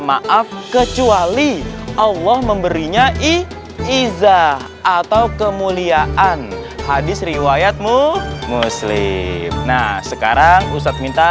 maaf kecuali allah memberinya iiza atau kemuliaan hadis riwayatmu muslim nah sekarang ustadz minta